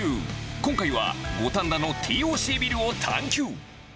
今回は五反田のＴＯＣビルを探求。